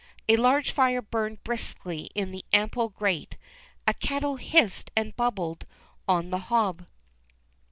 A large fire burned briskly in the ample grate. A kettle hissed and bubbled on the hob.